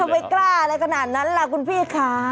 ไม่กล้าอะไรขนาดนั้นละของหนิค่ะ